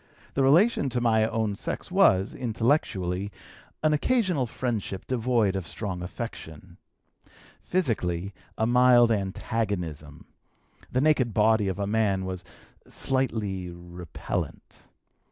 The relation to my own sex was, intellectually, an occasional friendship devoid of strong affection; physically, a mild antagonism, the naked body of a man was slightly repellant.